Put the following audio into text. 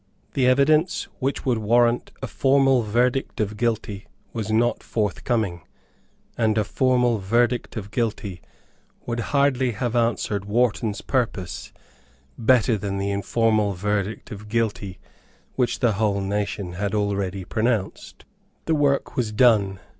The evidence which would warrant a formal verdict of guilty was not forthcoming; and a formal verdict of guilty would hardly have answered Wharton's purpose better than the informal verdict of guilty which the whole nation had already pronounced. The work was done.